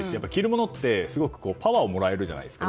物ってすごくパワーをもらえるじゃないですか。